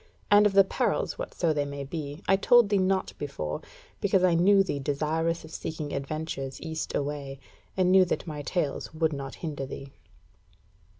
And of the perils, whatso they may be, I told thee not before, because I knew thee desirous of seeking adventures east away, and knew that my tales would not hinder thee."